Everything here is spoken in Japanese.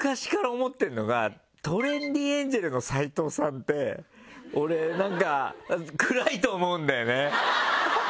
トレンディエンジェルの斎藤さんって俺なんか暗いと思うんだよね。